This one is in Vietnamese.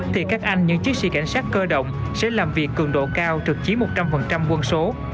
thì các anh những chiến sĩ cảnh sát cơ động sẽ làm việc cường độ cao trực chiến một trăm linh quân số